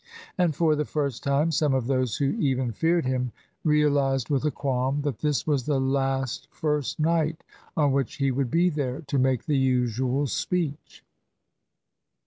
And for the first time some of those who even feared him realised with a qualm that this was the last "first night" on which he would be there to make the usual speech.